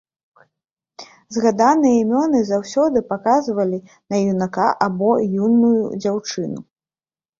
Згаданыя імёны заўсёды паказвалі на юнака або юную дзяўчыну.